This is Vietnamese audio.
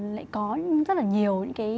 lại có rất là nhiều